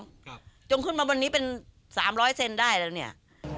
ครับจงขึ้นมาวันนี้เป็นสามร้อยเซนได้แล้วเนี้ย